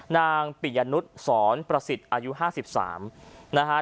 นางปิญญนุษย์สอนประศิษฐ์อายุ๕๓นะคะ